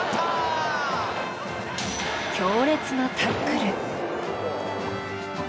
強烈なタックル。